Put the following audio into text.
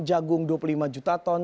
jagung dua puluh lima juta ton